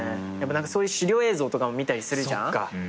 そういう資料映像とかも見たりするじゃん？